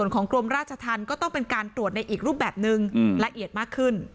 กรมราชธรรมก็ต้องเป็นการตรวจในอีกรูปแบบนึงละเอียดมากขึ้น